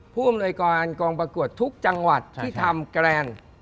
ผู้อำนวยการกองประกวดทุกจังหวัดที่ทำแกรนด์